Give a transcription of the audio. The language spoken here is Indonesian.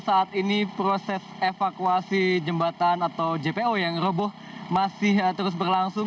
saat ini proses evakuasi jembatan atau jpo yang roboh masih terus berlangsung